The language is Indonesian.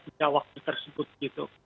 sejak waktu tersebut gitu